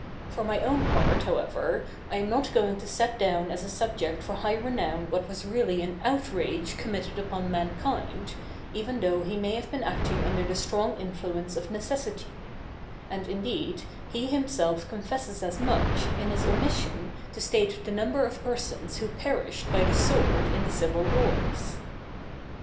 For my own part, however, I am not going to set down as a subject for high renown what was really an outrage committed upon mankind, even though he may have been acting under the strong influence of necessity; and, indeed, he himself confesses as much, in his omission to state the number of persons who perished by the sword in the civil wars.